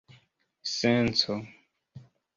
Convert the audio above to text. senco